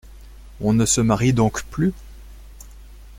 On ne se marie donc plus ?